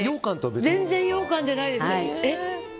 全然ようかんじゃないです。